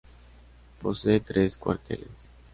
Posee tres cuarteles.